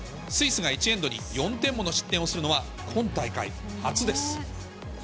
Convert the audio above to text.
スイスが１エンドに４点もの失点をするのは、今大会、初です。